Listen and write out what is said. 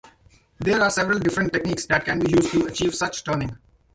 There are several different techniques that can be used to achieve such turning.